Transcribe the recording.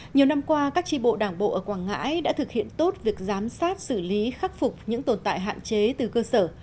nhiều năm qua các tri bộ đảng bộ ở quảng ngãi đã thực hiện tốt việc giám sát xử lý khắc phục những tồn tại hạn chế từ cơ sở